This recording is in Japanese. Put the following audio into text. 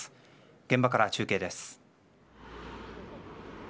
現場から中継です。